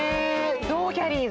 どうきゃりー？